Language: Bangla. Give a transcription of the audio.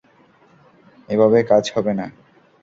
এভাবে কাজ হবে না।